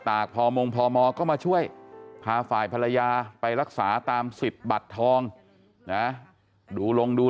ตากพมพมก็มาช่วยพาฝ่ายภรรยาไปรักษาตาม๑๐บัตรทองดู